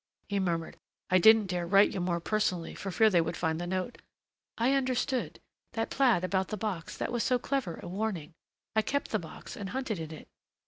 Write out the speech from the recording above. He murmured, "I didn't dare write you more personally for fear they would find the note." "I understood. That plaid about the box that was so clever a warning. I kept the box and hunted in it."